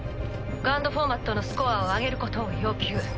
ＧＵＮＤフォーマットのスコアを上げることを要求。